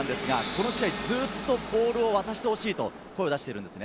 この試合、ずっとボールを渡してほしいと声を出しています。